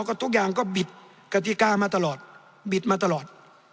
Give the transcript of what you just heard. ก็ทุกอย่างก็บิดกฎิกามาตลอดบิดมาตลอด